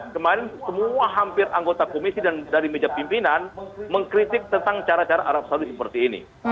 kemarin semua hampir anggota komisi dan dari meja pimpinan mengkritik tentang cara cara arab saudi seperti ini